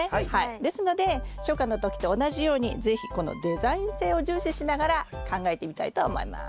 ですので初夏の時と同じように是非このデザイン性を重視しながら考えてみたいと思います。